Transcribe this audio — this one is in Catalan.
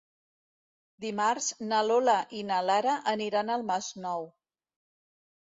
Dimarts na Lola i na Lara aniran al Masnou.